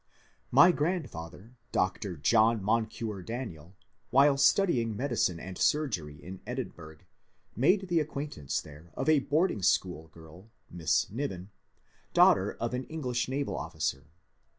My grandfather, Dr. John Moncure Daniel, while studying medicine and surgery in Edinburgh, made the acquaintance there of a boarding school girl, Miss Niven, daughter of an English naval officer.